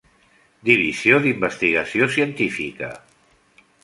Divisió d'investigació científica.